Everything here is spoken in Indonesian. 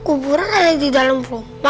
kuburan ada di dalam full